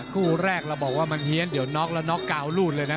คู่แรกเราบอกว่ามันเฮียนเดี๋ยวน็อกแล้วน็อกกาวรูดเลยนะ